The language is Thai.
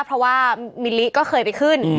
เพราะว่ามิลลิก็เคยไปขึ้น